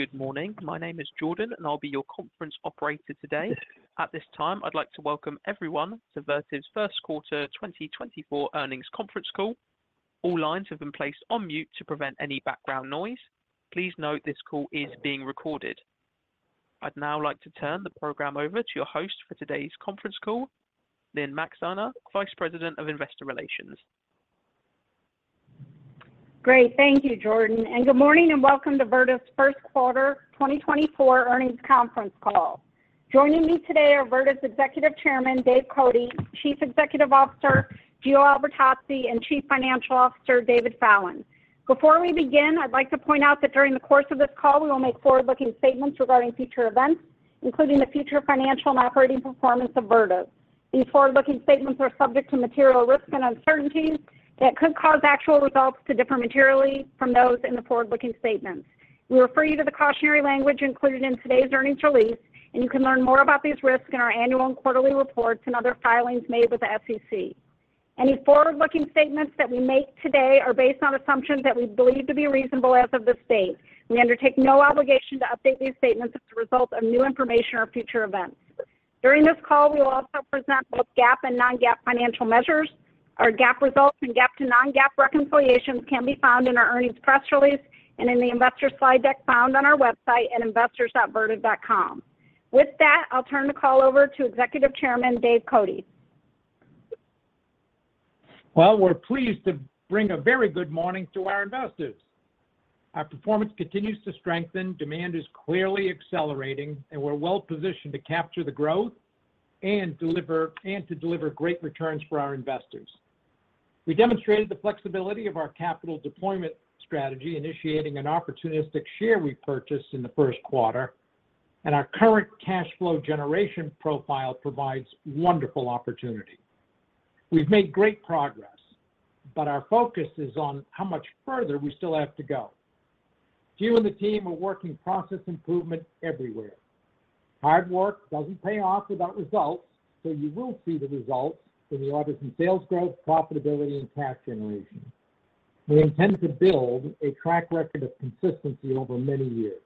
Good morning. My name is Jordan, and I'll be your conference operator today. At this time, I'd like to welcome everyone to Vertiv's First Quarter 2024 Earnings Conference Call. All lines have been placed on mute to prevent any background noise. Please note, this call is being recorded. I'd now like to turn the program over to your host for today's conference call, Lynne Maxeiner, Vice President of Investor Relations. Great. Thank you, Jordan, and good morning, and welcome to Vertiv's First Quarter 2024 Earnings Conference Call. Joining me today are Vertiv's Executive Chairman, Dave Cote, Chief Executive Officer, Gio Albertazzi, and Chief Financial Officer, David Fallon. Before we begin, I'd like to point out that during the course of this call, we will make forward-looking statements regarding future events, including the future financial and operating performance of Vertiv. These forward-looking statements are subject to material risks and uncertainties that could cause actual results to differ materially from those in the forward-looking statements. We refer you to the cautionary language included in today's earnings release, and you can learn more about these risks in our annual and quarterly reports and other filings made with the SEC. Any forward-looking statements that we make today are based on assumptions that we believe to be reasonable as of this date. We undertake no obligation to update these statements as a result of new information or future events. During this call, we will also present both GAAP and non-GAAP financial measures. Our GAAP results and GAAP to non-GAAP reconciliations can be found in our earnings press release and in the investor slide deck found on our website at investors.vertiv.com. With that, I'll turn the call over to Executive Chairman, Dave Cote. Well, we're pleased to bring a very good morning to our investors. Our performance continues to strengthen, demand is clearly accelerating, and we're well-positioned to capture the growth and deliver and to deliver great returns for our investors. We demonstrated the flexibility of our capital deployment strategy, initiating an opportunistic share repurchase in the first quarter, and our current cash flow generation profile provides wonderful opportunity. We've made great progress, but our focus is on how much further we still have to go. Gio and the team are working process improvement everywhere. Hard work doesn't pay off without results, so you will see the results in the orders and sales growth, profitability, and cash generation. We intend to build a track record of consistency over many years.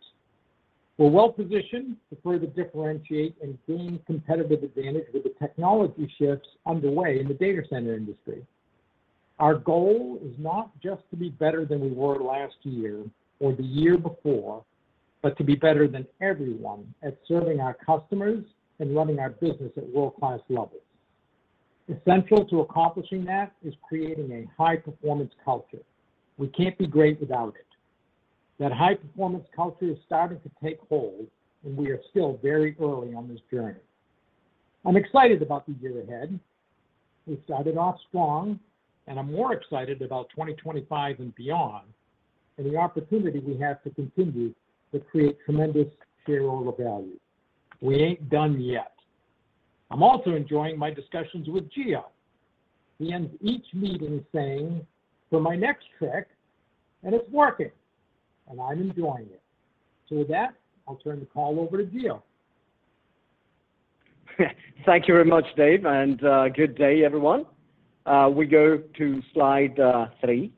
We're well-positioned to further differentiate and gain competitive advantage with the technology shifts underway in the data center industry. Our goal is not just to be better than we were last year or the year before, but to be better than everyone at serving our customers and running our business at world-class levels. Essential to accomplishing that is creating a high-performance culture. We can't be great without it. That high-performance culture is starting to take hold, and we are still very early on this journey. I'm excited about the year ahead. We started off strong, and I'm more excited about 2025 and beyond, and the opportunity we have to continue to create tremendous shareholder value. We ain't done yet. I'm also enjoying my discussions with Gio. He ends each meeting saying, "For my next trick," and it's working, and I'm enjoying it. So with that, I'll turn the call over to Gio. Thank you very much, Dave, and good day, everyone. We go to slide three.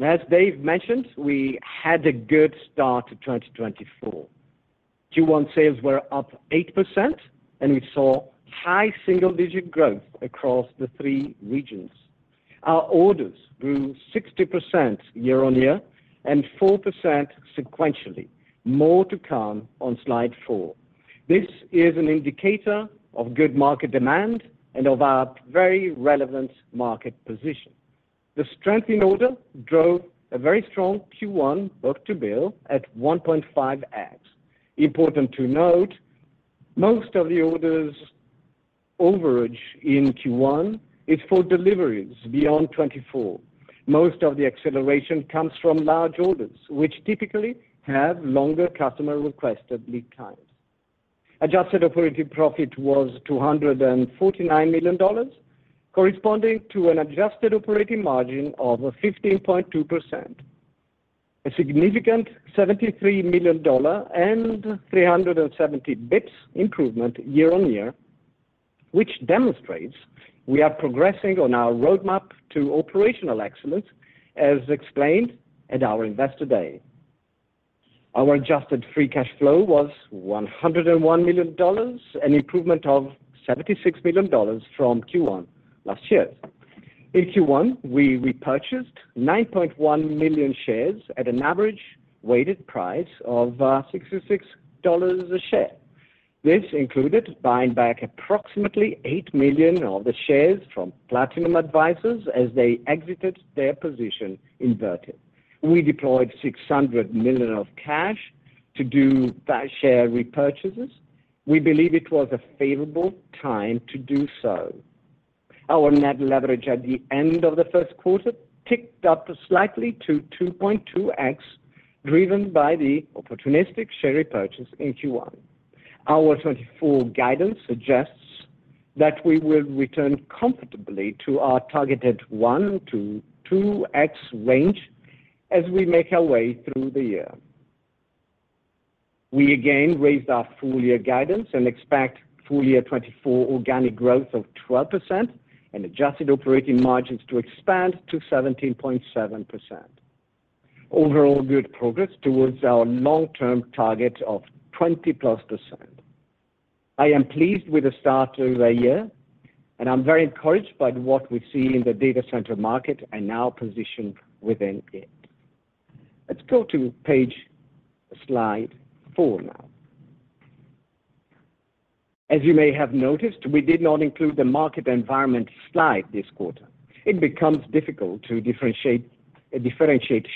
As Dave mentioned, we had a good start to 2024. Q1 sales were up 8%, and we saw high single-digit growth across the three regions. Our orders grew 60% year-on-year and 4% sequentially. More to come on slide four. This is an indicator of good market demand and of our very relevant market position. The strength in orders drove a very strong Q1 book-to-bill at 1.5x. Important to note, most of the orders overhang in Q1 is for deliveries beyond 2024. Most of the acceleration comes from large orders, which typically have longer customer-requested lead times. Adjusted operating profit was $249 million, corresponding to an adjusted operating margin of 15.2%. A significant $73 million and 370 basis points improvement year-on-year, which demonstrates we are progressing on our roadmap to operational excellence, as explained at our Investor Day. Our adjusted free cash flow was $101 million, an improvement of $76 million from Q1 last year. In Q1, we repurchased 9.1 million shares at an average weighted price of $66 a share. This included buying back approximately 8 million of the shares from Platinum Advisors as they exited their position in Vertiv. We deployed $600 million of cash to do the share repurchases. We believe it was a favorable time to do so. Our net leverage at the end of the first quarter ticked up slightly to 2.2x, driven by the opportunistic share repurchase in Q1. Our 2024 guidance suggests that we will return comfortably to our targeted 1x-2x range as we make our way through the year. We again raised our full year guidance and expect full year 2024 organic growth of 12% and adjusted operating margins to expand to 17.7%. Overall, good progress towards our long-term target of 20%+. I am pleased with the start of the year, and I'm very encouraged by what we see in the data center market and our position within it. Let's go to page slide four now. As you may have noticed, we did not include the market environment slide this quarter. It becomes difficult to differentiate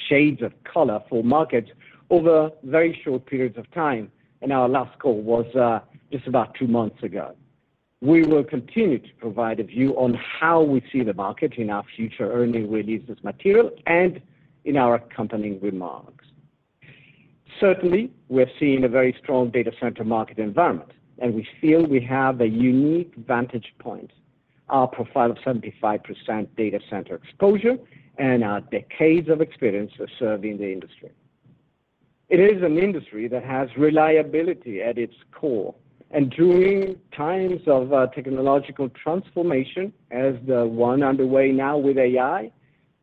shades of color for markets over very short periods of time, and our last call was just about two months ago. We will continue to provide a view on how we see the market in our future earnings releases material and in our accompanying remarks. Certainly, we are seeing a very strong data center market environment, and we feel we have a unique vantage point. Our profile of 75% data center exposure and our decades of experience of serving the industry. It is an industry that has reliability at its core, and during times of technological transformation, as the one underway now with AI,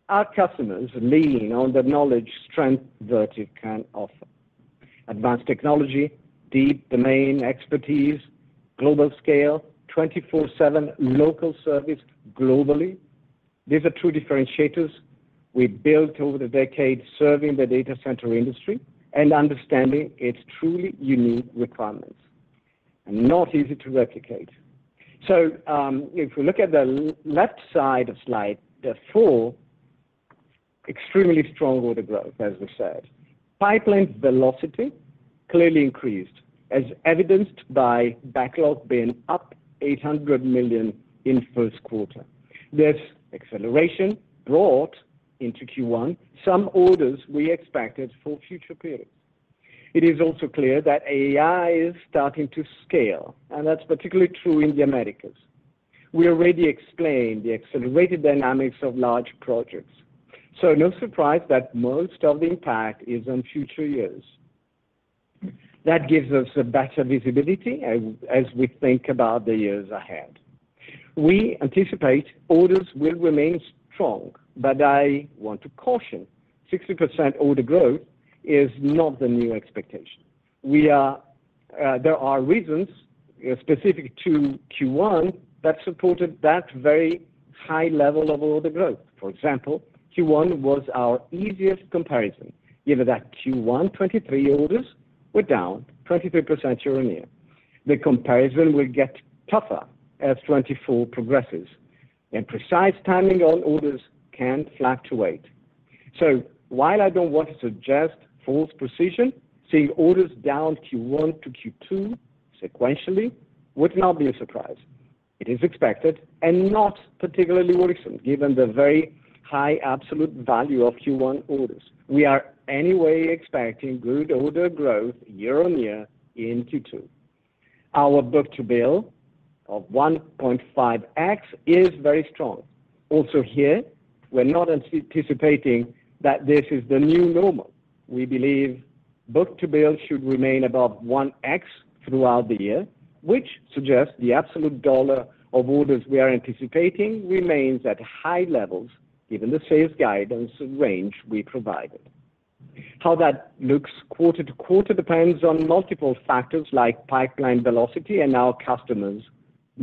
our customers lean on the knowledge strength Vertiv can offer. Advanced technology, deep domain expertise, global scale, 24/7 local service globally. These are true differentiators we built over the decades serving the data center industry and understanding its truly unique requirements, and not easy to replicate. So, if we look at the left side of the slide, the four extremely strong order growth, as we said. Pipeline velocity clearly increased, as evidenced by backlog being up $800 million in first quarter. This acceleration brought into Q1 some orders we expected for future periods. It is also clear that AI is starting to scale, and that's particularly true in the Americas. We already explained the accelerated dynamics of large projects, so no surprise that most of the impact is on future years. That gives us a better visibility as we think about the years ahead. We anticipate orders will remain strong, but I want to caution, 60% order growth is not the new expectation. We are, There are reasons specific to Q1 that supported that very high level of order growth. For example, Q1 was our easiest comparison, given that Q1 2023 orders were down 23% year-on-year. The comparison will get tougher as 2024 progresses, and precise timing on orders can fluctuate. So while I don't want to suggest false precision, seeing orders down Q1 to Q2 sequentially would not be a surprise. It is expected and not particularly worrisome, given the very high absolute value of Q1 orders. We are anyway expecting good order growth year-on-year in Q2. Our book-to-bill of 1.5x is very strong. Also here, we're not anticipating that this is the new normal. We believe book-to-bill should remain above 1x throughout the year, which suggests the absolute dollar of orders we are anticipating remains at high levels, given the sales guidance range we provided. How that looks quarter-to-quarter depends on multiple factors like pipeline velocity and our customers'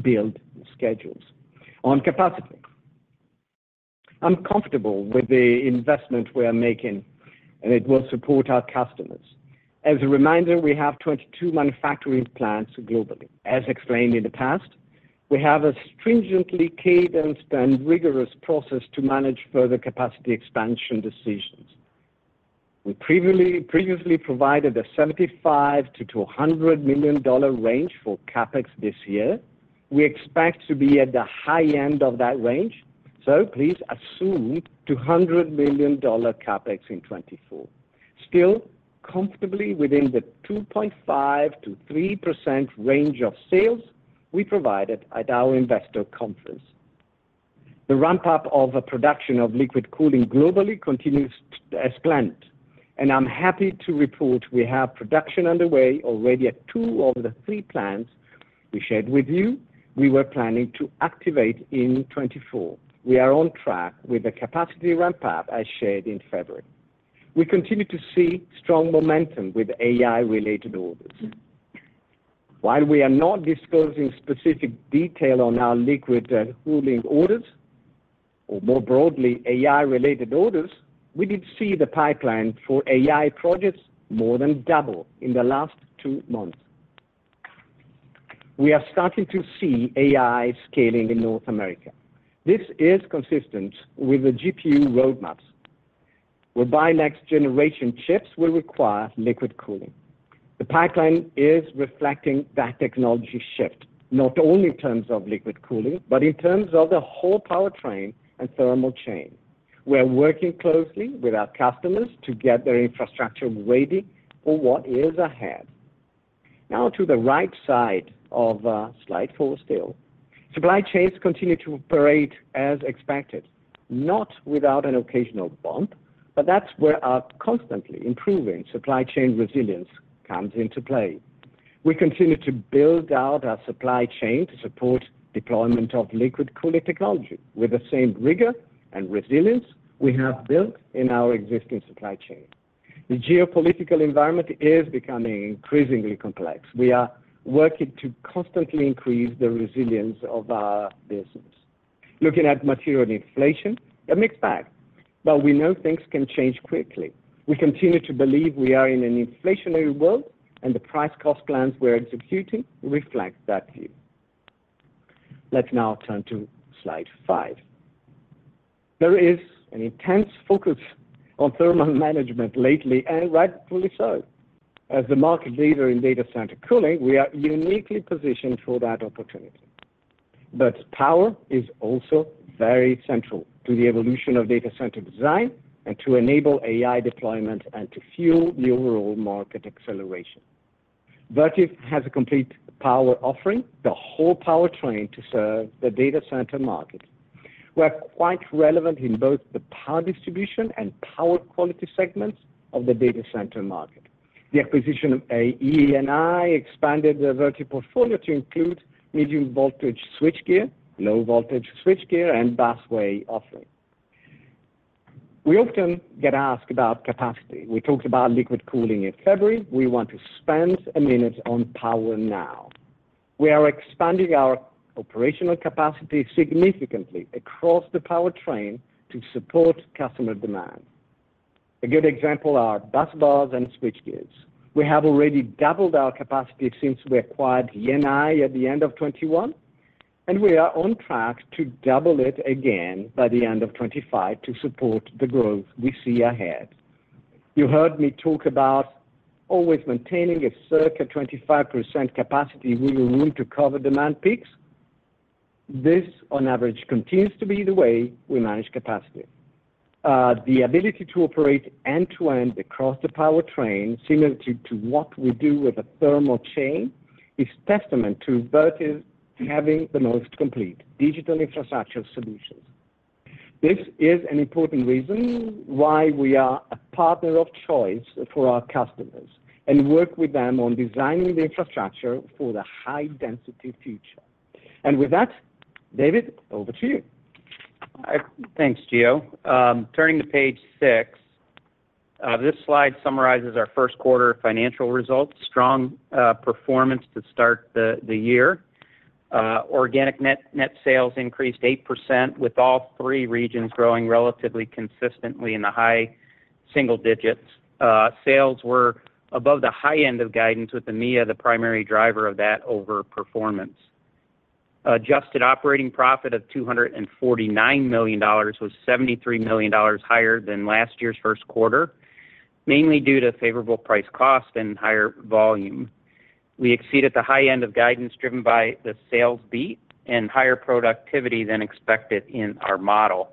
build schedules. On capacity, I'm comfortable with the investment we are making, and it will support our customers. As a reminder, we have 22 manufacturing plants globally. As explained in the past, we have a stringently cadenced and rigorous process to manage further capacity expansion decisions. We previously provided a $75 million-$200 million range for CapEx this year. We expect to be at the high end of that range, so please assume $200 million CapEx in 2024. Still comfortably within the 2.5%-3% range of sales we provided at our investor conference. The ramp-up of production of liquid cooling globally continues as planned, and I'm happy to report we have production underway already at two of the three plants we shared with you we were planning to activate in 2024. We are on track with the capacity ramp-up, as shared in February. We continue to see strong momentum with AI-related orders. While we are not disclosing specific detail on our liquid cooling orders, or more broadly, AI-related orders, we did see the pipeline for AI projects more than double in the last two months. We are starting to see AI scaling in North America. This is consistent with the GPU roadmaps, where by next generation, chips will require liquid cooling. The pipeline is reflecting that technology shift, not only in terms of liquid cooling, but in terms of the whole powertrain and thermal chain. We are working closely with our customers to get their infrastructure ready for what is ahead.... Now to the right side of slide four still. Supply chains continue to operate as expected, not without an occasional bump, but that's where our constantly improving supply chain resilience comes into play. We continue to build out our supply chain to support deployment of liquid cooling technology with the same rigor and resilience we have built in our existing supply chain. The geopolitical environment is becoming increasingly complex. We are working to constantly increase the resilience of our business. Looking at material inflation, a mixed bag, but we know things can change quickly. We continue to believe we are in an inflationary world, and the price-cost plans we're executing reflect that view. Let's now turn to slide five. There is an intense focus on thermal management lately, and rightfully so. As the market leader in data center cooling, we are uniquely positioned for that opportunity. But power is also very central to the evolution of data center design and to enable AI deployment and to fuel the overall market acceleration. Vertiv has a complete power offering, the whole powertrain to serve the data center market. We're quite relevant in both the power distribution and power quality segments of the data center market. The acquisition of E&I expanded the Vertiv portfolio to include medium voltage switchgear, low voltage switchgear, and busway offering. We often get asked about capacity. We talked about liquid cooling in February. We want to spend a minute on power now. We are expanding our operational capacity significantly across the powertrain to support customer demand. A good example are busbars and switchgears. We have already doubled our capacity since we acquired E&I at the end of 2021, and we are on track to double it again by the end of 2025 to support the growth we see ahead. You heard me talk about always maintaining a circa 25% capacity with room to cover demand peaks. This, on average, continues to be the way we manage capacity. The ability to operate end-to-end across the powertrain, similar to what we do with a thermal chain, is testament to Vertiv having the most complete digital infrastructure solutions. This is an important reason why we are a partner of choice for our customers and work with them on designing the infrastructure for the high-density future. And with that, David, over to you. Thanks, Gio. Turning to page six, this slide summarizes our first quarter financial results. Strong performance to start the year. Organic net sales increased 8%, with all three regions growing relatively consistently in the high single digits. Sales were above the high end of guidance, with EMEA the primary driver of that over performance. Adjusted operating profit of $249 million was $73 million higher than last year's first quarter, mainly due to favorable price-cost and higher volume. We exceeded the high end of guidance, driven by the sales beat and higher productivity than expected in our model.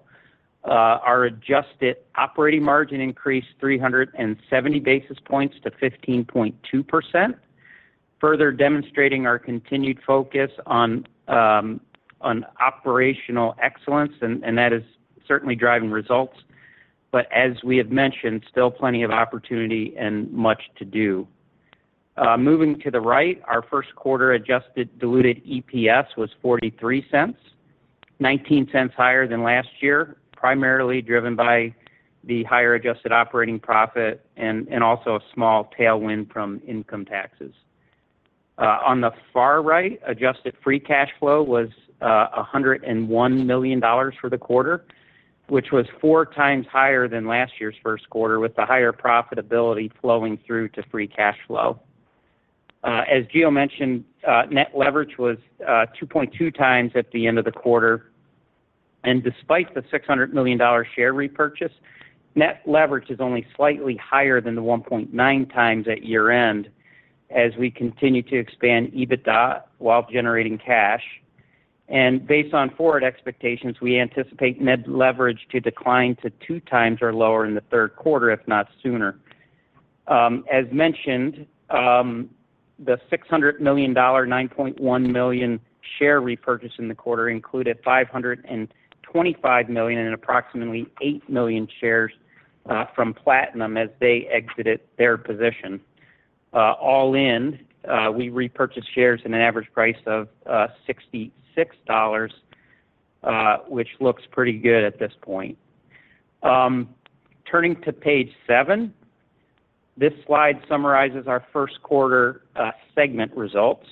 Our adjusted operating margin increased 370 basis points to 15.2%, further demonstrating our continued focus on operational excellence, and that is certainly driving results. But as we have mentioned, still plenty of opportunity and much to do. Moving to the right, our first quarter adjusted diluted EPS was $0.43, $0.19 higher than last year, primarily driven by the higher adjusted operating profit and also a small tailwind from income taxes. On the far right, adjusted free cash flow was $101 million for the quarter, which was 4x higher than last year's first quarter, with the higher profitability flowing through to free cash flow. As Gio mentioned, net leverage was 2.2x at the end of the quarter, and despite the $600 million share repurchase, net leverage is only slightly higher than the 1.9x at year-end as we continue to expand EBITDA while generating cash. Based on forward expectations, we anticipate net leverage to decline to 2x or lower in the third quarter, if not sooner. As mentioned, the $600 million, 9.1 million share repurchase in the quarter included $525 million and approximately 8 million shares from Platinum as they exited their position. All in, we repurchased shares in an average price of $66, which looks pretty good at this point. Turning to page seven, this slide summarizes our first quarter segment results.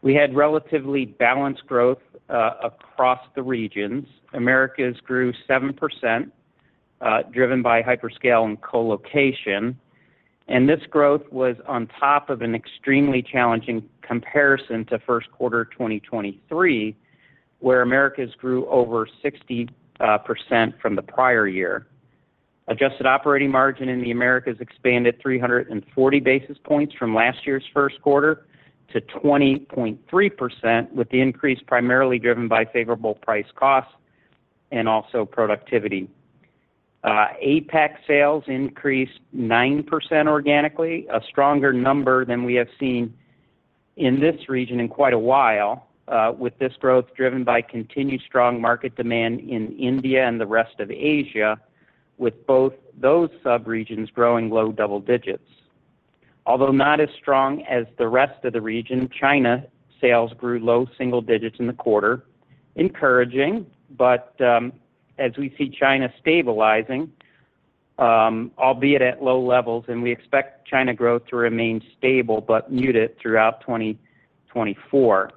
We had relatively balanced growth across the regions. Americas grew 7%, driven by hyperscale and colocation, and this growth was on top of an extremely challenging comparison to first quarter 2023, where Americas grew over 60% from the prior year. Adjusted operating margin in the Americas expanded 340 basis points from last year's first quarter to 20.3%, with the increase primarily driven by favorable price-cost and also productivity. APAC sales increased 9% organically, a stronger number than we have seen in this region in quite a while, with this growth driven by continued strong market demand in India and the rest of Asia, with both those subregions growing low double digits. Although not as strong as the rest of the region, China sales grew low single digits in the quarter. Encouraging, but as we see China stabilizing, albeit at low levels, and we expect China growth to remain stable but muted throughout 2024.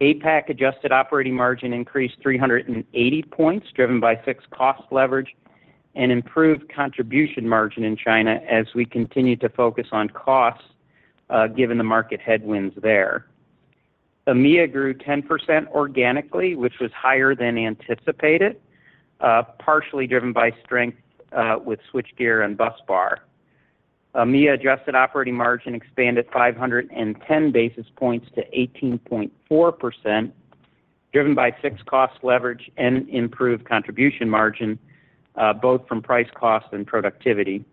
APAC adjusted operating margin increased 380 points, driven by fixed cost leverage and improved contribution margin in China as we continue to focus on costs, given the market headwinds there. EMEA grew 10% organically, which was higher than anticipated, partially driven by strength with switchgear and busbar. EMEA adjusted operating margin expanded 510 basis points to 18.4%, driven by fixed cost leverage and improved contribution margin, both from price-cost and productivity.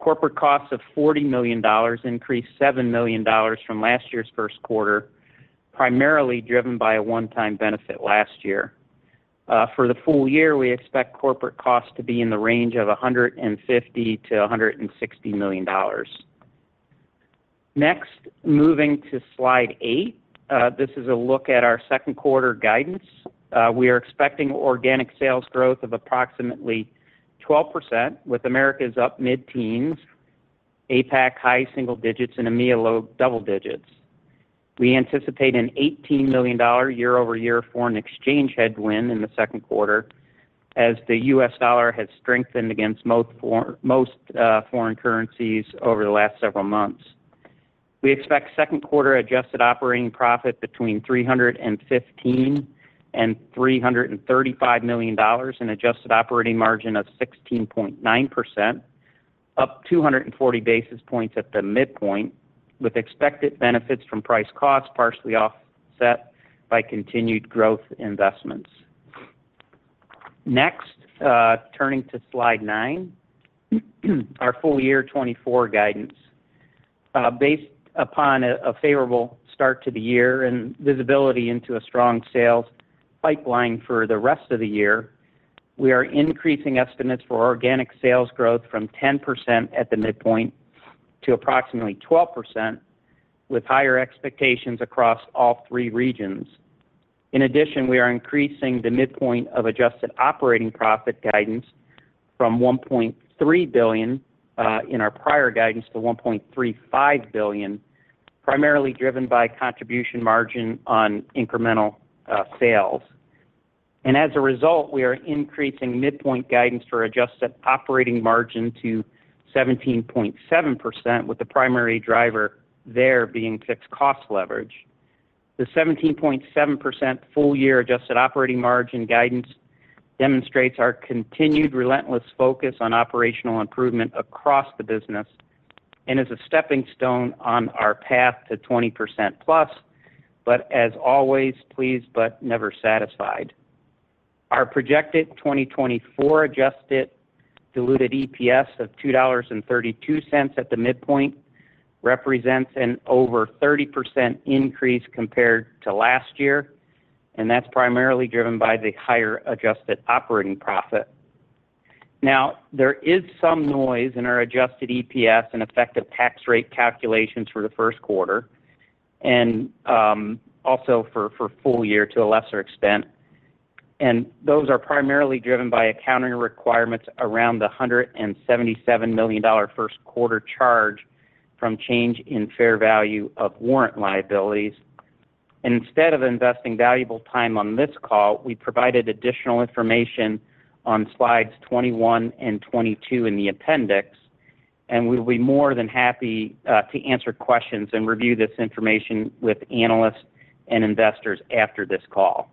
Corporate costs of $40 million increased $7 million from last year's first quarter, primarily driven by a one-time benefit last year. For the full year, we expect corporate costs to be in the range of $150 million-$160 million. Next, moving to slide eight. This is a look at our second quarter guidance. We are expecting organic sales growth of approximately 12%, with Americas up mid-teens, APAC high single-digits, and EMEA low double-digits. We anticipate an $18 million year-over-year foreign exchange headwind in the second quarter, as the US dollar has strengthened against most foreign currencies over the last several months. We expect second quarter adjusted operating profit between $315 million and $335 million, an adjusted operating margin of 16.9%, up 240 basis points at the midpoint, with expected benefits from price-cost partially offset by continued growth investments. Next, turning to slide nine, our full year 2024 guidance. Based upon a favorable start to the year and visibility into a strong sales pipeline for the rest of the year, we are increasing estimates for organic sales growth from 10% at the midpoint to approximately 12%, with higher expectations across all three regions. In addition, we are increasing the midpoint of adjusted operating profit guidance from $1.3 billion in our prior guidance to $1.35 billion, primarily driven by contribution margin on incremental sales. And as a result, we are increasing midpoint guidance for adjusted operating margin to 17.7%, with the primary driver there being fixed cost leverage. The 17.7% full year adjusted operating margin guidance demonstrates our continued relentless focus on operational improvement across the business and is a stepping stone on our path to 20%+, but as always, pleased but never satisfied. Our projected 2024 adjusted diluted EPS of $2.32 at the midpoint represents an over 30% increase compared to last year, and that's primarily driven by the higher adjusted operating profit. Now, there is some noise in our adjusted EPS and effective tax rate calculations for the first quarter, and also for full year to a lesser extent. Those are primarily driven by accounting requirements around the $177 million first quarter charge from change in fair value of warrant liabilities. Instead of investing valuable time on this call, we provided additional information on slides 21 and 22 in the appendix, and we will be more than happy to answer questions and review this information with analysts and investors after this call.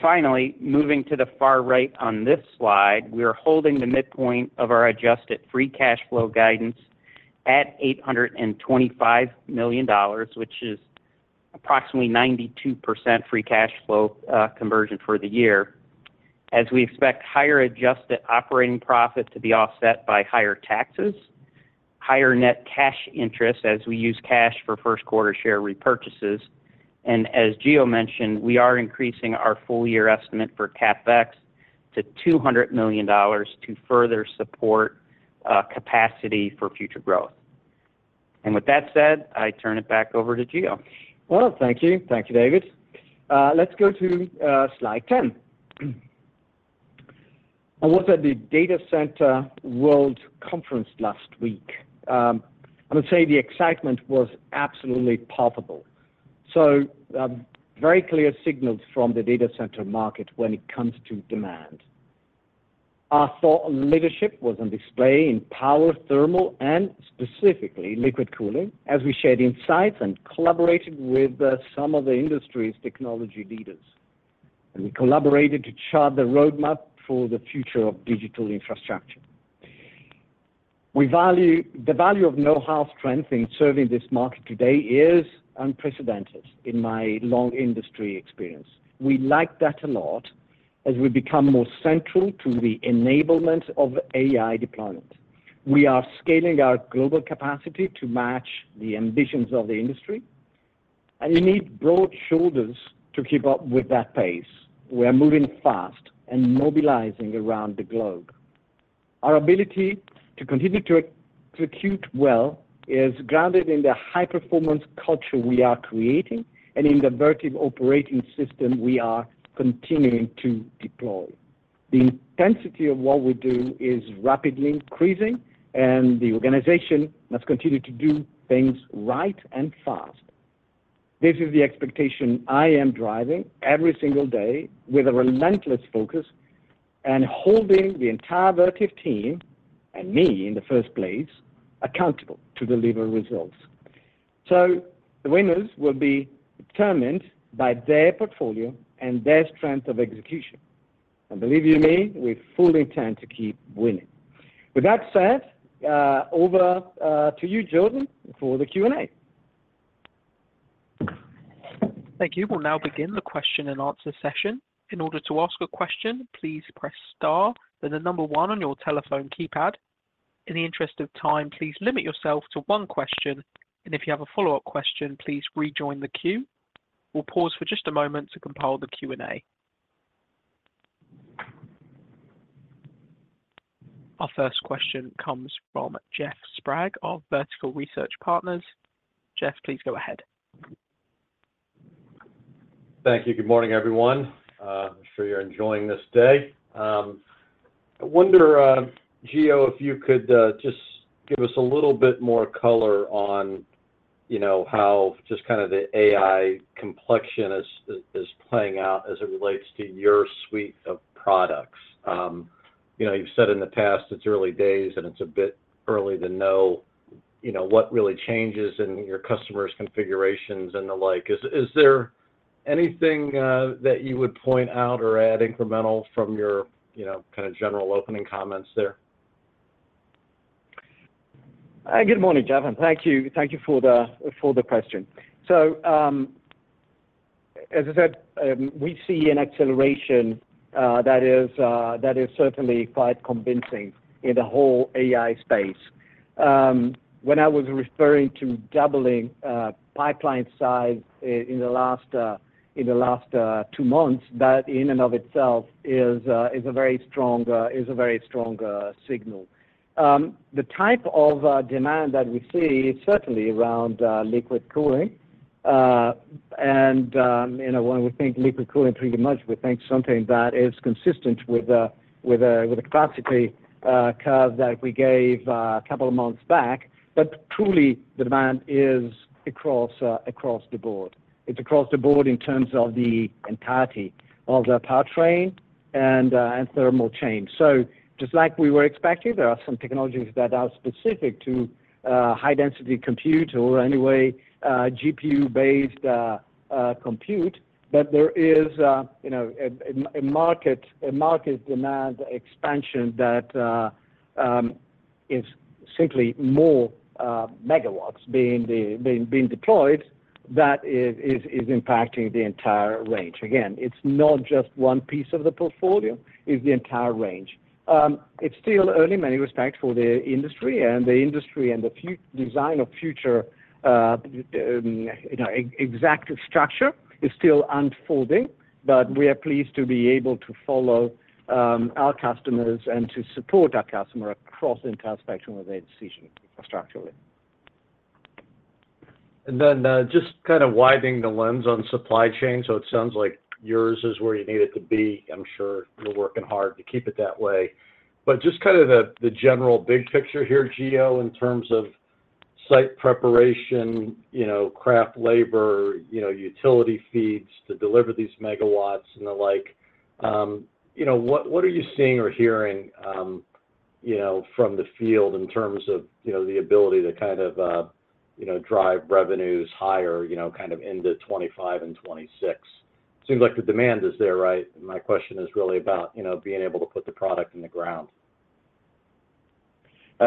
Finally, moving to the far right on this slide, we are holding the midpoint of our adjusted free cash flow guidance at $825 million, which is approximately 92% free cash flow conversion for the year, as we expect higher adjusted operating profit to be offset by higher taxes, higher net cash interest as we use cash for first quarter share repurchases. As Gio mentioned, we are increasing our full-year estimate for CapEx to $200 million to further support capacity for future growth. With that said, I turn it back over to Gio. Well, thank you. Thank you, David. Let's go to slide 10. I was at the Data Center World Conference last week. I would say the excitement was absolutely palpable. So, very clear signals from the data center market when it comes to demand. Our thought leadership was on display in power, thermal, and specifically liquid cooling, as we shared insights and collaborated with some of the industry's technology leaders. And we collaborated to chart the roadmap for the future of digital infrastructure.... The value of know-how strength in serving this market today is unprecedented in my long industry experience. We like that a lot as we become more central to the enablement of AI deployment. We are scaling our global capacity to match the ambitions of the industry, and you need broad shoulders to keep up with that pace. We are moving fast and mobilizing around the globe. Our ability to continue to execute well is grounded in the high-performance culture we are creating and in the Vertiv Operating System we are continuing to deploy. The intensity of what we do is rapidly increasing, and the organization must continue to do things right and fast. This is the expectation I am driving every single day with a relentless focus and holding the entire Vertiv team, and me in the first place, accountable to deliver results. So the winners will be determined by their portfolio and their strength of execution. And believe you me, we fully intend to keep winning. With that said, over to you, Jordan, for the Q&A. Thank you. We'll now begin the question and answer session. In order to ask a question, please press star, then the number one on your telephone keypad. In the interest of time, please limit yourself to one question, and if you have a follow-up question, please rejoin the queue. We'll pause for just a moment to compile the Q&A. Our first question comes from Jeff Sprague of Vertical Research Partners. Jeff, please go ahead. Thank you. Good morning, everyone. I'm sure you're enjoying this day. I wonder, Gio, if you could just give us a little bit more color on, you know, how just kind of the AI complexion is playing out as it relates to your suite of products. You know, you've said in the past, it's early days, and it's a bit early to know, you know, what really changes in your customers' configurations and the like. Is there anything that you would point out or add incremental from your, you know, kind of general opening comments there? Good morning, Jeff, and thank you, thank you for the question. So, as I said, we see an acceleration, that is, that is certainly quite convincing in the whole AI space. When I was referring to doubling, pipeline size in the last, in the last, two months, that in and of itself is, is a very strong, is a very strong, signal. The type of, demand that we see is certainly around, liquid cooling, and, you know, when we think liquid cooling pretty much, we think something that is consistent with a, with a, with a classically, curve that we gave, a couple of months back, but truly, the demand is across, across the board. It's across the board in terms of the entirety of the powertrain and thermal chain. So just like we were expecting, there are some technologies that are specific to high-density compute or anyway GPU-based compute, but there is you know a market demand expansion that is simply more megawatts being deployed that is impacting the entire range. Again, it's not just one piece of the portfolio, it's the entire range. It's still early in many respects for the industry, and the industry and the future design of future you know exact structure is still unfolding, but we are pleased to be able to follow our customers and to support our customer across the entire spectrum of their decision structurally. And then, just kind of widening the lens on supply chain, so it sounds like yours is where you need it to be. I'm sure you're working hard to keep it that way. But just kind of the general big picture here, Gio, in terms of site preparation, you know, craft labor, you know, utility feeds to deliver these megawatts and the like, you know, what are you seeing or hearing, you know, from the field in terms of, you know, the ability to kind of, you know, drive revenues higher, you know, kind of into 2025 and 2026? Seems like the demand is there, right? My question is really about, you know, being able to put the product in the ground.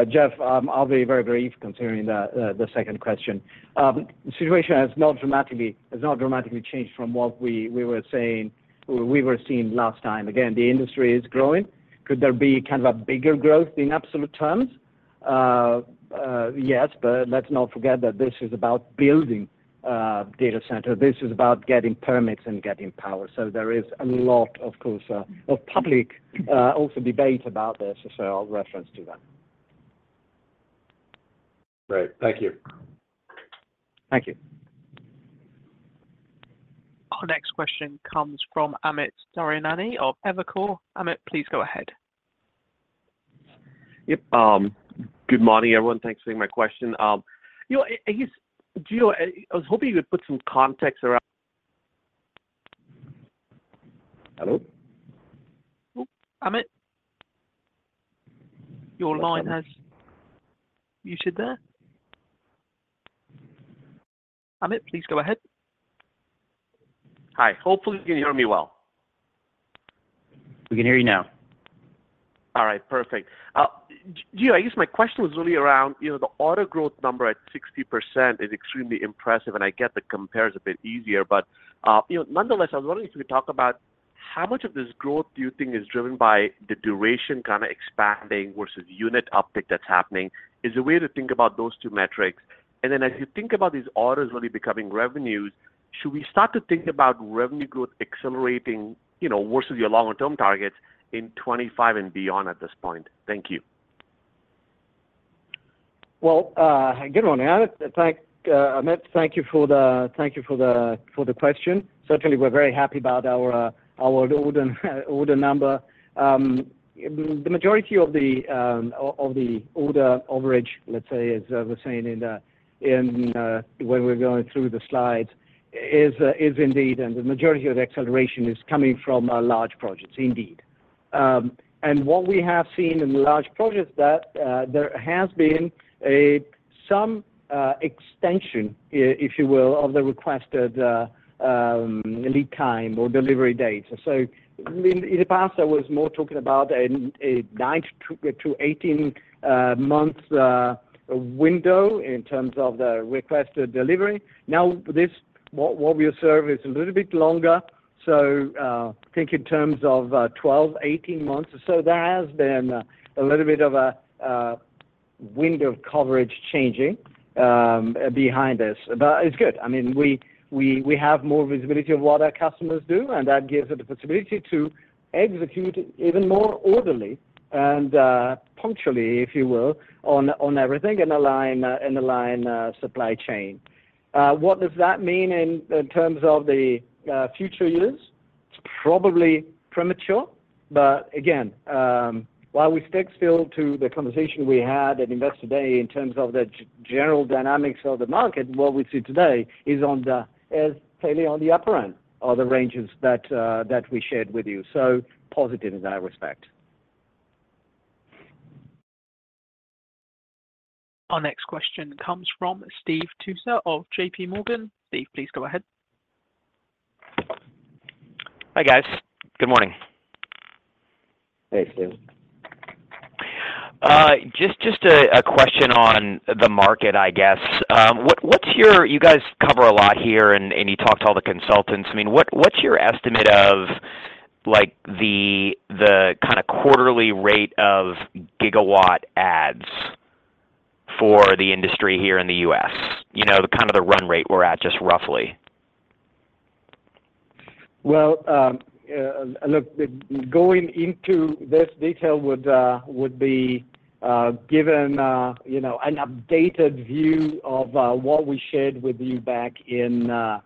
Jeff, I'll be very brief considering the the second question. The situation has not dramatically, has not dramatically changed from what we were saying, we were seeing last time. Again, the industry is growing. Could there be kind of a bigger growth in absolute terms? Yes, but let's not forget that this is about building data center. This is about getting permits and getting power. So there is a lot, of course, of public also debate about this, so I'll reference to that. Great. Thank you. Thank you. Our next question comes from Amit Daryanani of Evercore. Amit, please go ahead. Yep. Good morning, everyone. Thanks for taking my question. You know, I guess, Gio, I was hoping you could put some context around- Hello? Amit, your line has muted there. Amit, please go ahead. Hi. Hopefully you can hear me well. We can hear you now. All right, perfect. Gio, I guess my question was really around, you know, the order growth number at 60% is extremely impressive, and I get the compare is a bit easier. But, you know, nonetheless, I was wondering if you could talk about how much of this growth do you think is driven by the duration kind of expanding versus unit uptick that's happening? Is there a way to think about those two metrics? And then as you think about these orders really becoming revenues, should we start to think about revenue growth accelerating, you know, versus your longer-term targets in 2025 and beyond at this point? Thank you. Well, good morning, Amit. Thank you, Amit, thank you for the question. Certainly, we're very happy about our order number. The majority of the order overage, let's say, as I was saying when we were going through the slides, is indeed, and the majority of the acceleration is coming from large projects, indeed. And what we have seen in the large projects that there has been some extension, if you will, of the requested lead time or delivery date. So in the past, I was more talking about a nine to 18 months window in terms of the requested delivery. Now, this what we observe is a little bit longer, so think in terms of 12, 18 months. So there has been a little bit of a window of coverage changing behind this. But it's good. I mean, we have more visibility of what our customers do, and that gives us the possibility to execute even more orderly and punctually, if you will, on everything, and align supply chain. What does that mean in terms of the future years? It's probably premature, but again, while we stick still to the conversation we had at Investor Day, in terms of the general dynamics of the market, what we see today is clearly on the upper end of the ranges that we shared with you. So positive in that respect. Our next question comes from Steve Tusa of JPMorgan. Steve, please go ahead. Hi, guys. Good morning. Hey, Steve. Just a question on the market, I guess. What’s your— You guys cover a lot here, and you talk to all the consultants. I mean, what’s your estimate of, like, the kind of quarterly rate of gigawatt adds for the industry here in the U.S.? You know, the kind of the run rate we’re at, just roughly. Well, look, going into this detail would be given, you know, an updated view of what we shared with you back in at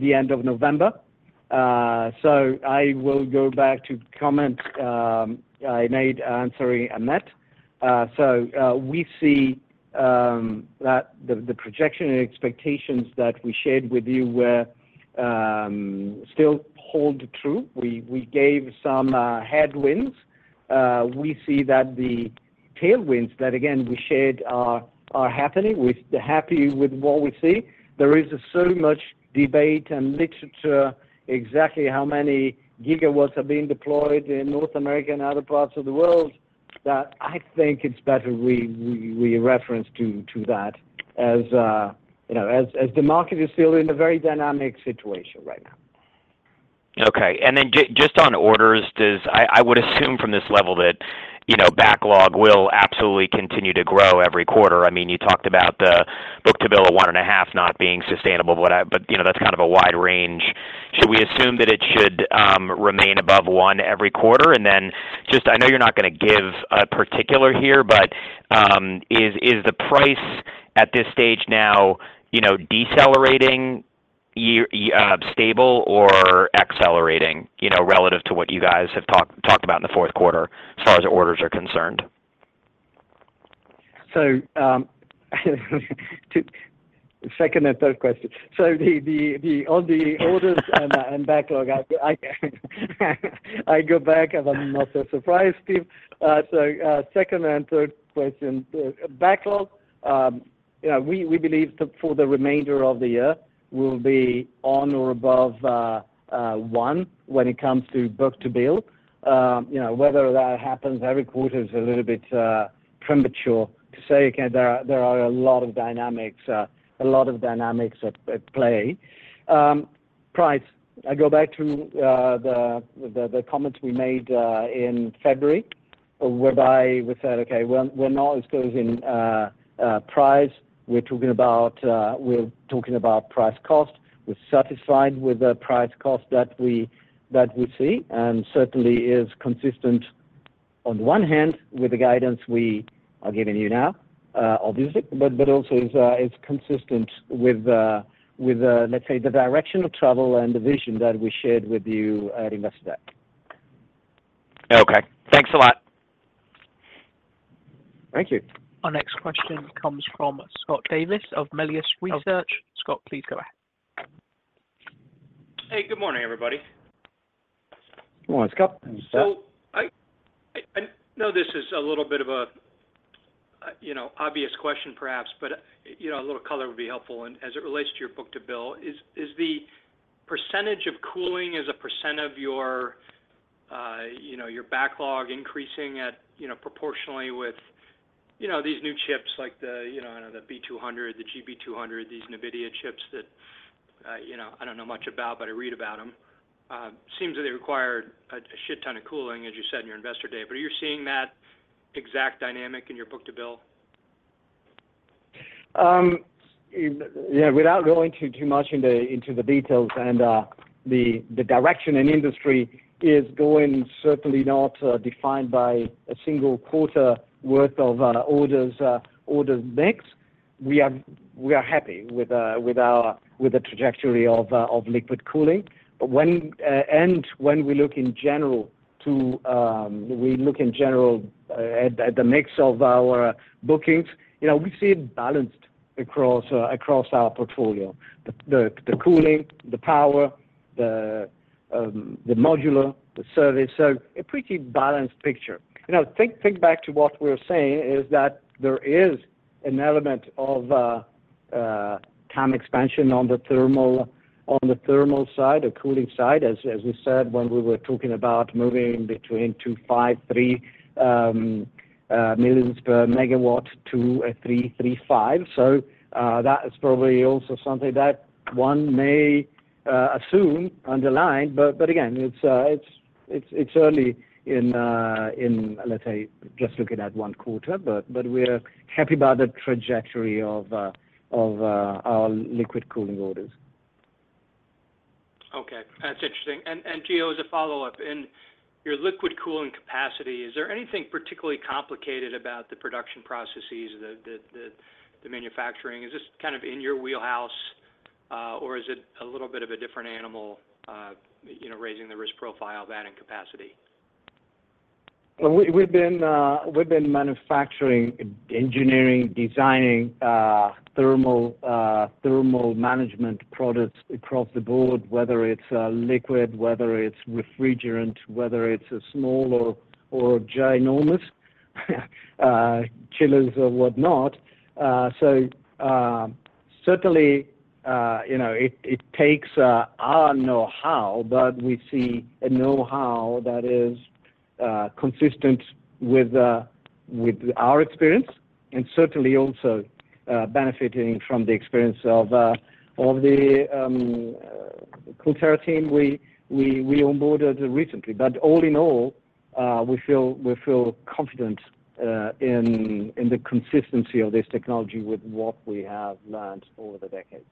the end of November. So I will go back to comment I made answering Amit. So we see that the projection and expectations that we shared with you were still hold true. We gave some headwinds. We see that the tailwinds that, again, we shared are happening. We're happy with what we see. There is so much debate and literature exactly how many gigawatts are being deployed in North America and other parts of the world, that I think it's better we reference to that, as you know, as the market is still in a very dynamic situation right now. Okay. And then just on orders, I would assume from this level that, you know, backlog will absolutely continue to grow every quarter. I mean, you talked about the book-to-bill of 1.5x not being sustainable, but, you know, that's kind of a wide range. Should we assume that it should remain above 1x every quarter? And then just, I know you're not gonna give a particular here, but is the price at this stage now, you know, decelerating, year, stable or accelerating? You know, relative to what you guys have talked about in the fourth quarter, as far as orders are concerned. To second and third question. So the orders and backlog, I go back, and I'm not so surprised, Steve. Second and third question, backlog, you know, we believe for the remainder of the year will be on or above 1x when it comes to book-to-bill. You know, whether that happens every quarter is a little bit premature to say. Again, there are a lot of dynamics at play. Price, I go back to the comments we made in February, whereby we said, "Okay, we're not closing price. We're talking about price-cost. We're satisfied with the price-cost that we see," and certainly is consistent, on the one hand, with the guidance we are giving you now, obviously, but also is consistent with, let's say, the direction of travel and the vision that we shared with you at Investor Day. Okay, thanks a lot. Thank you. Our next question comes from Scott Davis of Melius Research. Scott, please go ahead. Hey, good morning, everybody. Good morning, Scott. I know this is a little bit of a you know obvious question perhaps, but you know a little color would be helpful. As it relates to your book-to-bill, is the percentage of cooling as a percent of your you know your backlog increasing at you know proportionally with you know these new chips, like the you know the B200, the GB200, these NVIDIA chips that you know I don't know much about, but I read about them? Seems that they require a shit ton of cooling, as you said in your Investor Day, but are you seeing that exact dynamic in your book-to-bill? Yeah, without going too much into the details and the direction and industry is going, certainly not defined by a single quarter worth of orders mix. We are happy with our trajectory of liquid cooling. But when we look in general to we look in general at the mix of our bookings, you know, we see it balanced across our portfolio. The cooling, the power, the modular, the service, so a pretty balanced picture. You know, think back to what we're saying, is that there is an element of time expansion on the thermal side, the cooling side, as we said, when we were talking about moving between $2.5million-$3 million per megawatt to a $3 million-$3.5 million. So, that is probably also something that one may assume underlying, but again, it's early in, let's say, just looking at one quarter, but we're happy about the trajectory of our liquid cooling orders. Okay. That's interesting. And Gio, as a follow-up, in your liquid cooling capacity, is there anything particularly complicated about the production processes, the manufacturing? Is this kind of in your wheelhouse, or is it a little bit of a different animal, you know, raising the risk profile of adding capacity? Well, we've been manufacturing, engineering, designing thermal management products across the board, whether it's liquid, whether it's refrigerant, whether it's a small or ginormous chillers or whatnot. So, certainly, you know, it takes our know-how, but we see a know-how that is consistent with our experience, and certainly also benefiting from the experience of the CoolTera team we onboarded recently. But all in all, we feel confident in the consistency of this technology with what we have learned over the decades.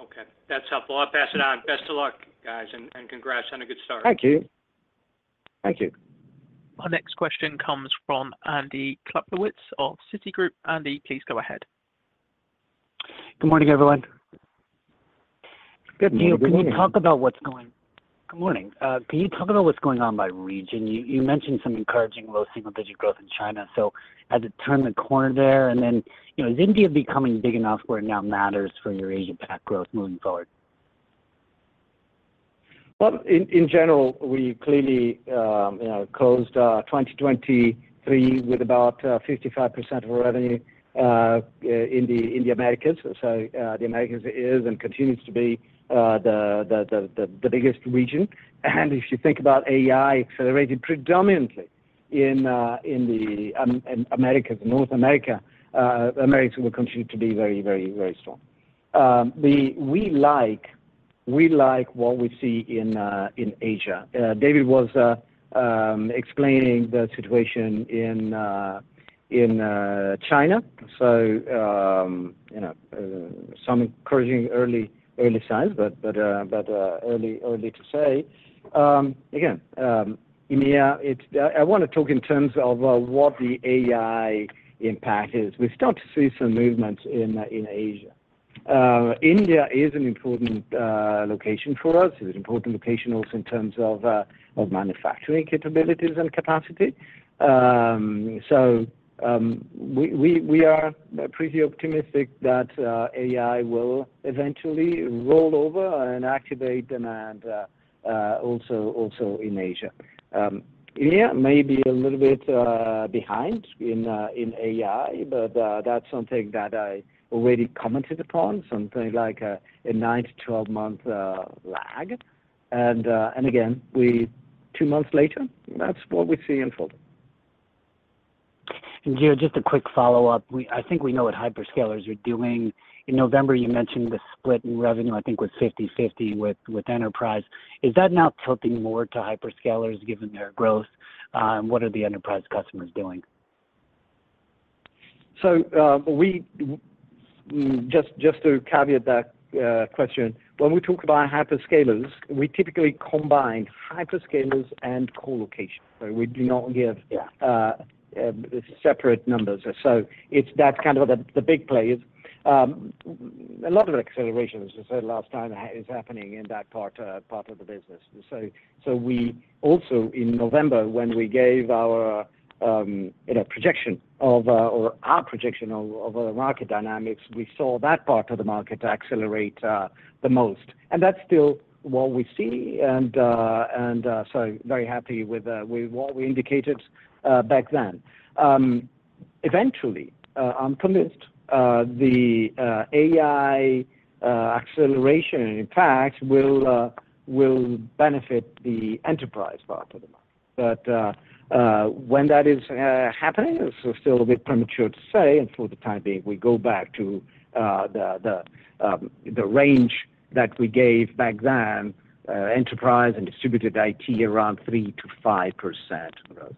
Okay. That's helpful. I'll pass it on. Best of luck, guys, and congrats on a good start. Thank you. Thank you. Our next question comes from Andy Kaplowitz of Citigroup. Andy, please go ahead. Good morning, everyone. Good morning. Gio, can you talk about what's going... Good morning. Can you talk about what's going on by region? You mentioned some encouraging low single-digit growth in China, so has it turned the corner there? And then, you know, is India becoming big enough where it now matters for your Asia Pac growth moving forward? Well, in general, we clearly, you know, closed 2023 with about 55% of our revenue in the Americas. So, the Americas is and continues to be the biggest region. And if you think about AI, accelerated predominantly in the Americas, North America, Americas will continue to be very, very, very strong. We like what we see in Asia. David was explaining the situation in China. So, you know, some encouraging early signs, but early to say. Again, India, it's... I want to talk in terms of what the AI impact is. We start to see some movements in Asia. India is an important location for us. It's an important location also in terms of manufacturing capabilities and capacity. So, we are pretty optimistic that AI will eventually roll over and activate demand also in Asia. India may be a little bit behind in AI, but that's something that I already commented upon, something like a nine to 12-month lag. And again, two months later, that's what we see unfolding. Gio, just a quick follow-up. We—I think we know what hyperscalers are doing. In November, you mentioned the split in revenue, I think, was 50/50 with enterprise. Is that now tilting more to hyperscalers, given their growth? And what are the enterprise customers doing? Just to caveat that question, when we talk about hyperscalers, we typically combine hyperscalers and colocation. So we do not give- Yeah.... separate numbers. So it's, that's kind of the big players. A lot of acceleration, as I said last time, is happening in that part of the business. So we also, in November, when we gave our you know projection of or our projection of the market dynamics, we saw that part of the market accelerate the most. And that's still what we see, and so very happy with what we indicated back then. Eventually, I'm convinced the AI acceleration in fact will benefit the enterprise part of the market. But, when that is happening, it's still a bit premature to say, and for the time being, we go back to the range that we gave back then, enterprise and distributed IT around 3%-5% growth.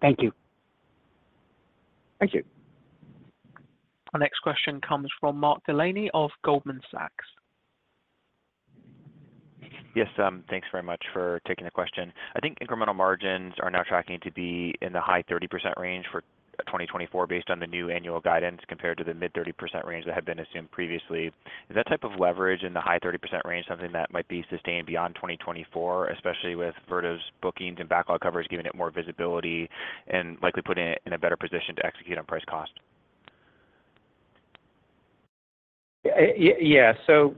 Thank you. Thank you. Our next question comes from Mark Delaney of Goldman Sachs. Yes, thanks very much for taking the question. I think incremental margins are now tracking to be in the high 30% range for 2024, based on the new annual guidance, compared to the mid 30% range that had been assumed previously. Is that type of leverage in the high 30% range, something that might be sustained beyond 2024, especially with Vertiv's bookings and backlog coverage, giving it more visibility and likely putting it in a better position to execute on price-cost? Yeah. So,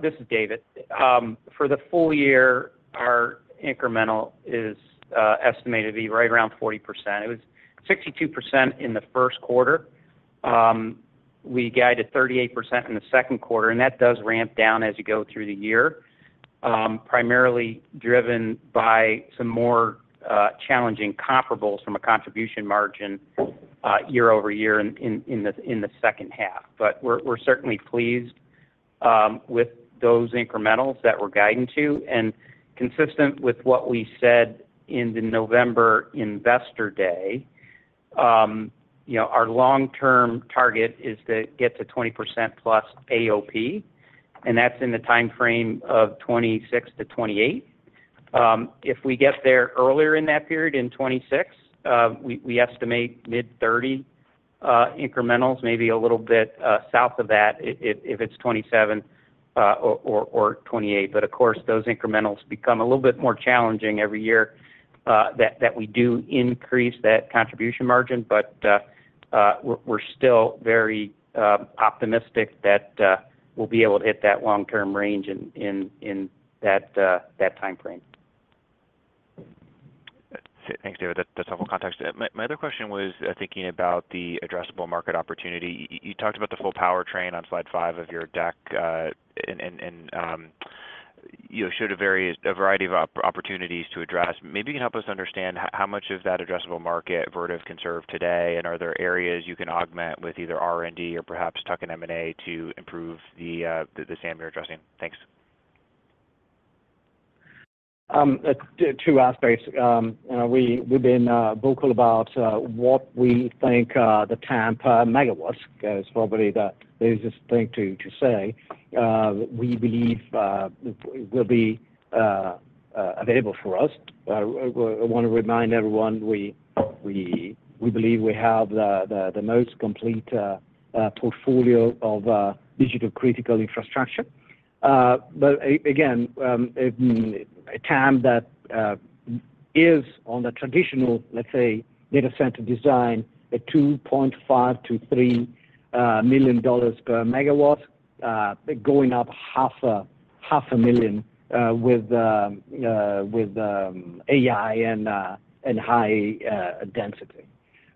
this is David. For the full year, our incremental is estimated to be right around 40%. It was 62% in the first quarter. We guided 38% in the second quarter, and that does ramp down as you go through the year, primarily driven by some more challenging comparables from a contribution margin year-over-year in the second half. But we're certainly pleased with those incrementals that we're guiding to. And consistent with what we said in the November Investor Day, you know, our long-term target is to get to 20%+ AOP, and that's in the time frame of 2026-2028. If we get there earlier in that period, in 2026, we estimate mid-30 incrementals, maybe a little bit south of that, if it's 2027 or 2028. But of course, those incrementals become a little bit more challenging every year that we do increase that contribution margin. But we're still very optimistic that we'll be able to hit that long-term range in that time frame. Thanks, David. That's helpful context. My, my other question was, thinking about the addressable market opportunity. You, you talked about the full powertrain on slide five of your deck, and you showed a variety of opportunities to address. Maybe you can help us understand how much of that addressable market Vertiv can serve today, and are there areas you can augment with either R&D or perhaps tuck in M&A to improve the SAM you're addressing? Thanks. Two aspects. You know, we've been vocal about what we think the TAM per megawatt is probably the easiest thing to say. We believe will be available for us. I wanna remind everyone, we believe we have the most complete portfolio of digital critical infrastructure. But again, a TAM that is on the traditional, let's say, data center design, a $2.5 million-$3 million per megawatt, going up $500,000 with AI and high density.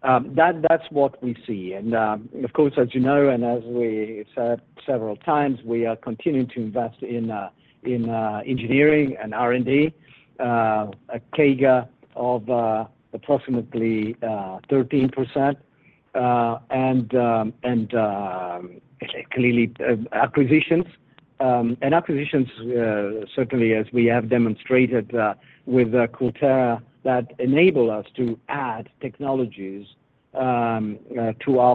That, that's what we see. And, of course, as you know, and as we said several times, we are continuing to invest in engineering and R&D, a CAGR of approximately 13%, and clearly acquisitions. And acquisitions certainly, as we have demonstrated with CoolTera, that enable us to add technologies to our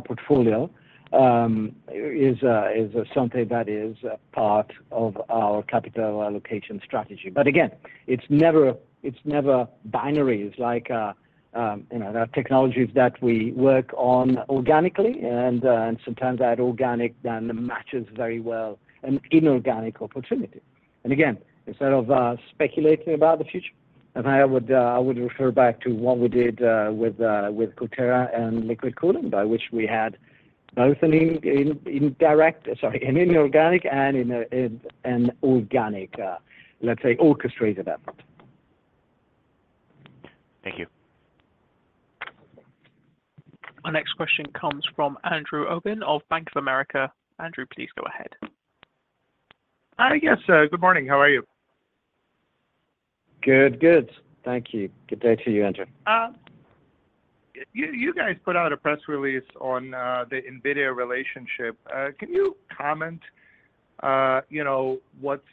portfolio, is something that is a part of our capital allocation strategy. But again, it's never, it's never binary. It's like, you know, there are technologies that we work on organically, and sometimes that organic then matches very well an inorganic opportunity. And again, instead of speculating about the future, and I would, I would refer back to what we did with CoolTera and liquid cooling, by which we had both an indirect, sorry, an inorganic and an organic, let's say, orchestrated effort. Thank you. Our next question comes from Andrew Obin of Bank of America. Andrew, please go ahead. Hi, yes. Good morning. How are you? Good, good. Thank you. Good day to you, Andrew. You guys put out a press release on the NVIDIA relationship. Can you comment, you know, what's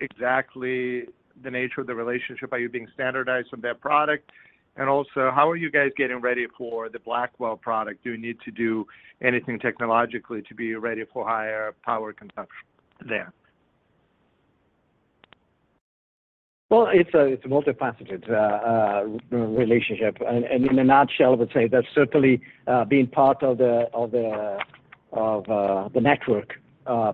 exactly the nature of the relationship? Are you being standardized on their product? And also, how are you guys getting ready for the Blackwell product? Do you need to do anything technologically to be ready for higher power consumption there? ... Well, it's a multifaceted relationship. And in a nutshell, I would say that certainly being part of the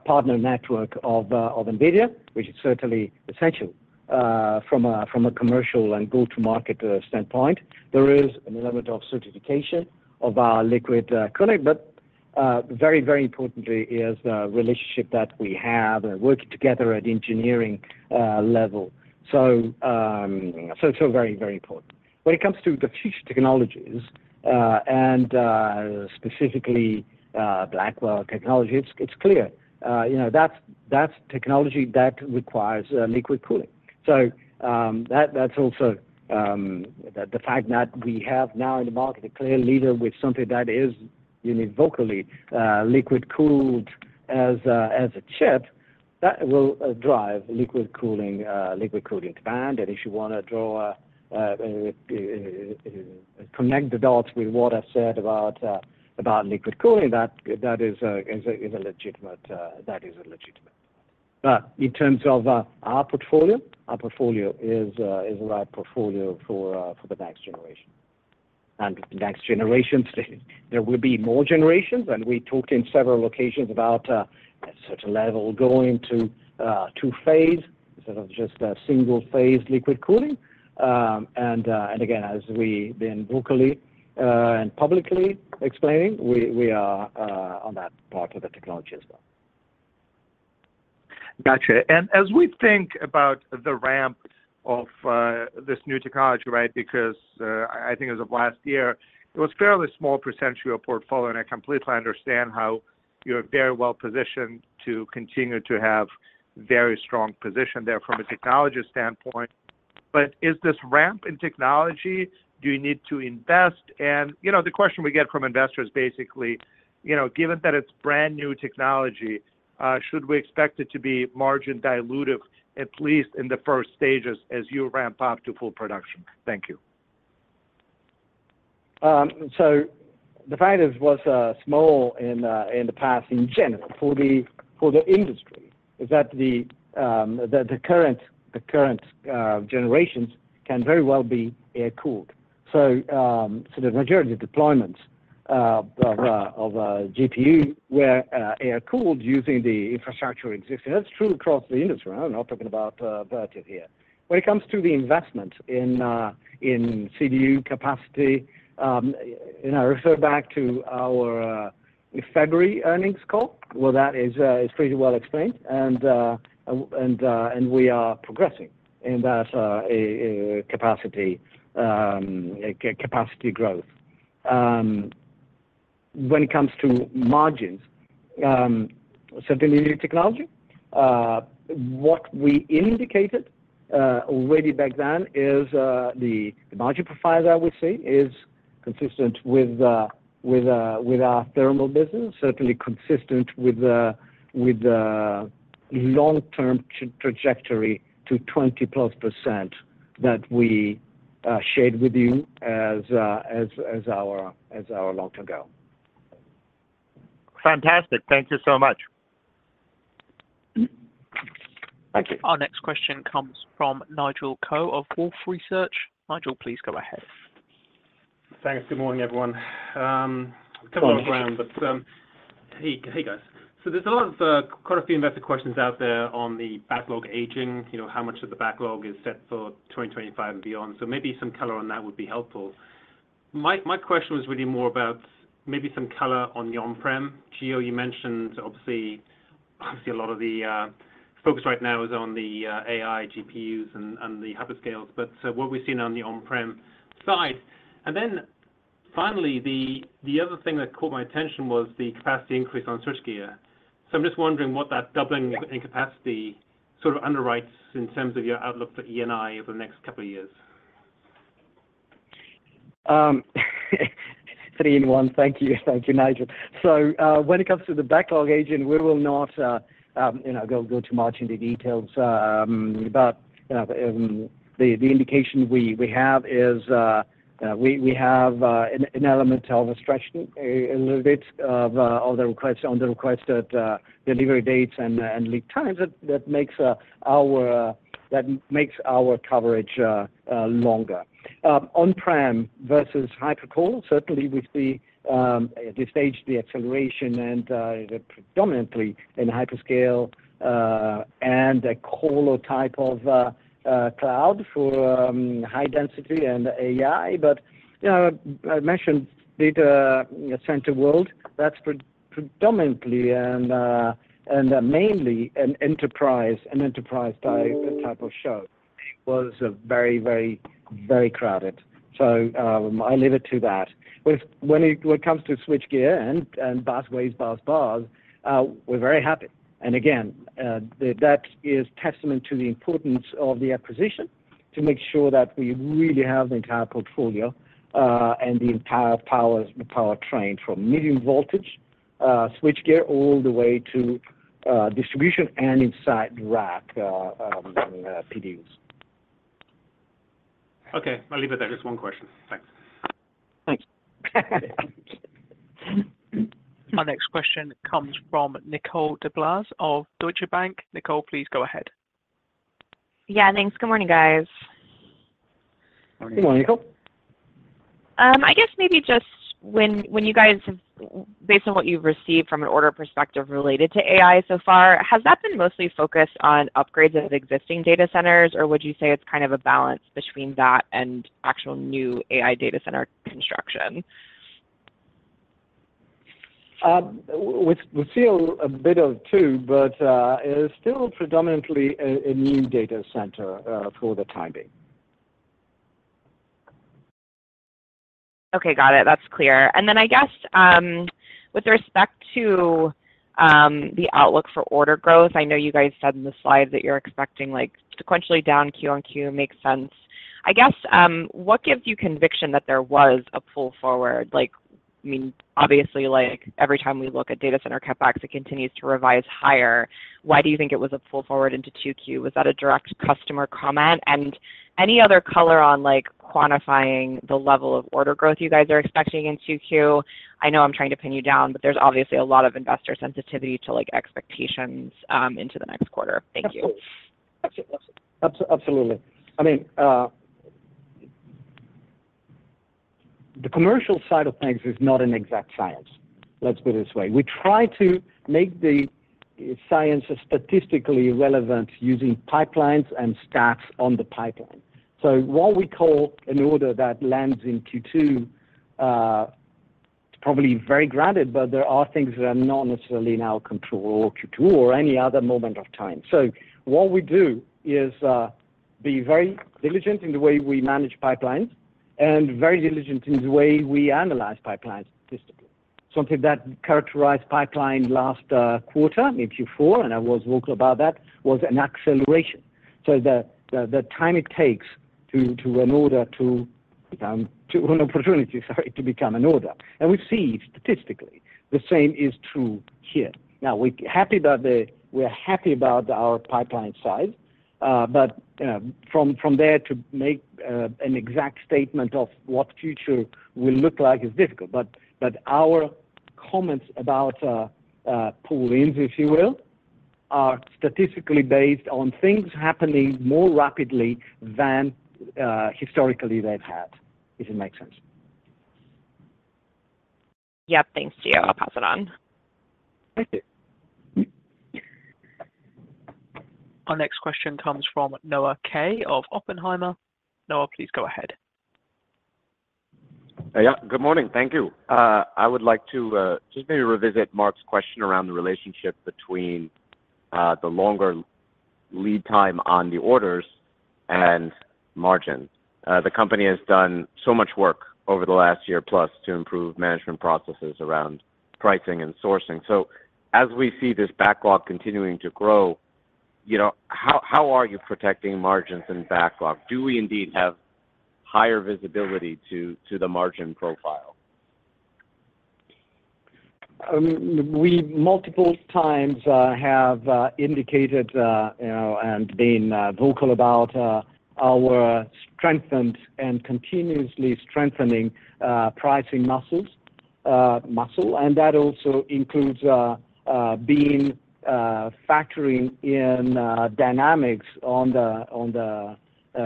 partner network of NVIDIA, which is certainly essential from a commercial and go-to-market standpoint. There is an element of certification of our liquid cooling, but very, very importantly is the relationship that we have and working together at engineering level. So it's so very, very important. When it comes to the future technologies and specifically Blackwell technology, it's clear, you know, that's technology that requires liquid cooling. So, that's also the fact that we have now in the market a clear leader with something that is unequivocally liquid-cooled as a chip that will drive liquid cooling demand. And if you wanna draw connect the dots with what I said about liquid cooling, that is a legitimate. But in terms of our portfolio, our portfolio is the right portfolio for the next generation. And the next generation, there will be more generations, and we talked in several locations about at such a level going to two-phase instead of just a single-phase liquid cooling. And again, as we've been vocally and publicly explaining, we are on that part of the technology as well. Gotcha. And as we think about the ramp of this new technology, right? Because I think as of last year, it was a fairly small percentage of your portfolio, and I completely understand how you're very well positioned to continue to have very strong position there from a technology standpoint. But is this ramp in technology, do you need to invest? And you know, the question we get from investors, basically, you know, given that it's brand-new technology, should we expect it to be margin dilutive, at least in the first stages as you ramp up to full production? Thank you. So the fact is, was, small in, in the past in general, for the, for the industry, is that the, the current, the current, generations can very well be air-cooled. So, so the majority of deployments, of, of, GPU were, air-cooled using the infrastructure existing. That's true across the industry, I'm not talking about, Vertiv here. When it comes to the investment in, in CDU capacity, and I refer back to our, February earnings call, well, that is, is pretty well explained. And, and, and we are progressing in that, capacity, capacity growth. When it comes to margins, certainly new technology, what we indicated, already back then, is, the margin profile that we see is consistent with, with, with our thermal business. Certainly consistent with the long-term trajectory to 20%+ that we shared with you as our long-term goal. Fantastic. Thank you so much. Thank you. Our next question comes from Nigel Coe of Wolfe Research. Nigel, please go ahead. Thanks. Good morning, everyone on the ground, but hey, guys. So there's a lot of quite a few investor questions out there on the backlog aging. You know, how much of the backlog is set for 2025 and beyond? So maybe some color on that would be helpful. My question was really more about maybe some color on the on-prem. Gio, you mentioned obviously a lot of the focus right now is on the AI GPUs and the hyperscales, but so what we've seen on the on-prem side. And then finally, the other thing that caught my attention was the capacity increase on switchgear. So I'm just wondering what that doubling in capacity sort of underwrites in terms of your outlook for E&I over the next couple of years. Three in one. Thank you. Thank you, Nigel. So, when it comes to the backlog aging, we will not, you know, go too much into details, but the indication we have is we have an element of a stretch, a little bit of on the requests, on the request that delivery dates and lead times that makes our--that makes our coverage longer. On-prem versus hyperscale, certainly we see, at this stage, the acceleration and predominantly in hyperscale, and a colo type of cloud for high density and AI. But, you know, I mentioned Data Center World, that's predominantly and mainly an enterprise, an enterprise type of show, was a very, very, very crowded. So, I'll leave it to that. With, when it comes to switchgear and busways, busbars, we're very happy. And again, that is testament to the importance of the acquisition, to make sure that we really have the entire portfolio, and the entire powertrain from medium voltage switchgear, all the way to distribution and inside rack PDUs. Okay, I'll leave it there. Just one question. Thanks. Thank you.... Our next question comes from Nicole DeBlase of Deutsche Bank. Nicole, please go ahead. Yeah, thanks. Good morning, guys. Good morning, Nicole. I guess maybe just when you guys have—based on what you've received from an order perspective related to AI so far, has that been mostly focused on upgrades of existing data centers? Or would you say it's kind of a balance between that and actual new AI data center construction? We see a bit of two, but it is still predominantly a new data center for the time being. Okay, got it. That's clear. And then I guess, with respect to, the outlook for order growth, I know you guys said in the slide that you're expecting, like, sequentially down Q-on-Q, makes sense. I guess, what gives you conviction that there was a pull-forward? Like, I mean, obviously, like, every time we look at data center CapEx, it continues to revise higher. Why do you think it was a pull-forward into 2Q? Was that a direct customer comment? And any other color on, like, quantifying the level of order growth you guys are expecting in 2Q? I know I'm trying to pin you down, but there's obviously a lot of investor sensitivity to, like, expectations, into the next quarter. Thank you. Absolutely. I mean, the commercial side of things is not an exact science. Let's put it this way. We try to make the science statistically relevant using pipelines and stacks on the pipeline. So what we call an order that lands in Q2, it's probably very granted, but there are things that are not necessarily in our control or Q2 or any other moment of time. So what we do is, be very diligent in the way we manage pipelines and very diligent in the way we analyze pipelines statistically. Something that characterized pipeline last quarter in Q4, and I was vocal about that, was an acceleration. So the time it takes to an order to an opportunity, sorry, to become an order. And we see statistically, the same is true here. Now, we're happy that we're happy about our pipeline size, but from there to make an exact statement of what future will look like is difficult. But our comments about pull-ins, if you will, are statistically based on things happening more rapidly than historically they've had, if it makes sense. Yep. Thanks, Gio. I'll pass it on. Thank you. Our next question comes from Noah Kaye of Oppenheimer. Noah, please go ahead. Yeah, good morning. Thank you. I would like to just maybe revisit Mark's question around the relationship between the longer lead time on the orders and margins. The company has done so much work over the last year, plus to improve management processes around pricing and sourcing. So as we see this backlog continuing to grow, you know, how, how are you protecting margins and backlog? Do we indeed have higher visibility to the margin profile? We multiple times have indicated, you know, and been vocal about our strengthened and continuously strengthening pricing muscle, and that also includes factoring in dynamics on the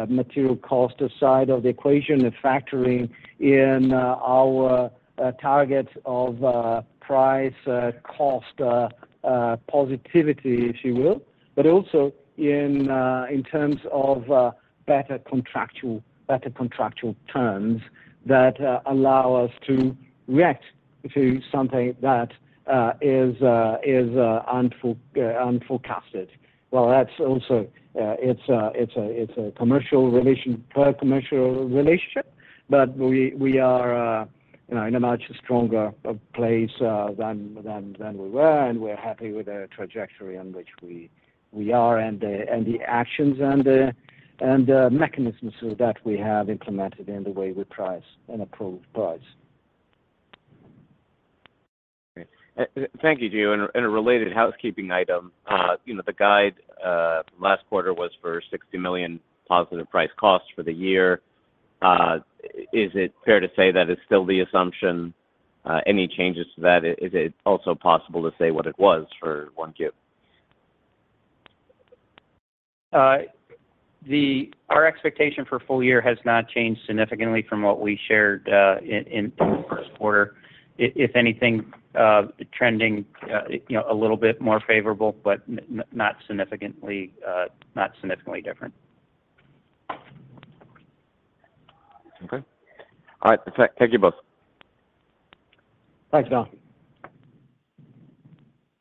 material cost side of the equation and factoring in our targets of price-cost positivity, if you will. But also in terms of better contractual terms that allow us to react to something that is unforecasted. Well, that's also a commercial relationship, but we are, you know, in a much stronger place than we were, and we're happy with the trajectory in which we are and the actions and the mechanisms that we have implemented in the way we price and approve price. Great. Thank you, Gio. And a related housekeeping item, you know, the guide last quarter was for $60 million positive price-cost for the year. Is it fair to say that it's still the assumption, any changes to that? Is it also possible to say what it was for 1Q? Our expectation for full year has not changed significantly from what we shared in the first quarter. If anything, trending, you know, a little bit more favorable, but not significantly, not significantly different. Okay. All right. Thank you both. Thanks, Noah.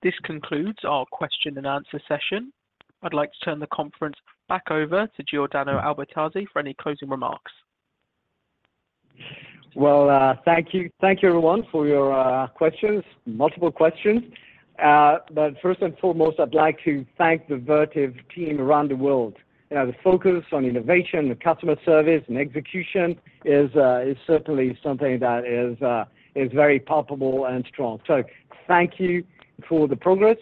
This concludes our question and answer session. I'd like to turn the conference back over to Giordano Albertazzi for any closing remarks. Well, thank you. Thank you, everyone, for your questions, multiple questions. But first and foremost, I'd like to thank the Vertiv team around the world. You know, the focus on innovation, the customer service, and execution is certainly something that is very palpable and strong. So thank you for the progress.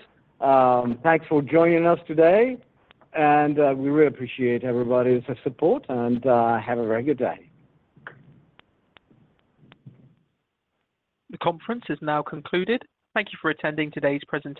Thanks for joining us today, and we really appreciate everybody's support, and have a very good day. The conference is now concluded. Thank you for attending today's presentation.